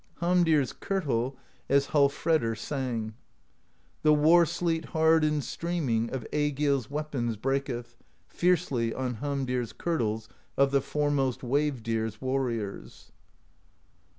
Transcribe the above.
i84 PROSE EDDA Hamdir's Kirtle, as Hallfredr sang: The war sleet hard and streaming Of Egill's weapons breaketh Fiercely on Hamdir's Kirtles Of the foremost wave deer's warriors.